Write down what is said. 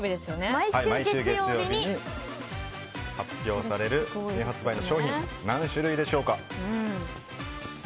毎週月曜日に発表される新種類の商品何種類でしょうか？